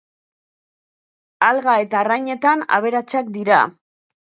Alga eta arrainetan aberatsak dira.